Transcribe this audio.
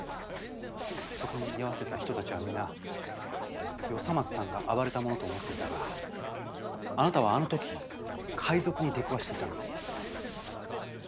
そこに居合わせた人たちは皆与三松さんが暴れたものと思っていたがあなたはあの時海賊に出くわしていたんです。